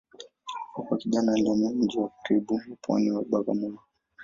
Alipokuwa kijana alihamia mji wa karibu wa pwani wa Bagamoyo.